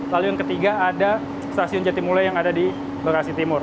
lalu yang ketiga ada stasiun jatimula yang ada di bekasi timur